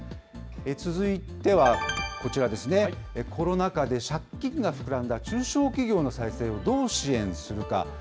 続いてはこちらですね、コロナ禍で借金が膨らんだ中小企業の再生をどう支援するか。